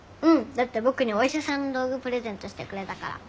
だって僕にお医者さんの道具プレゼントしてくれたから。